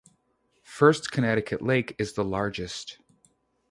First Connecticut Lake is the largest.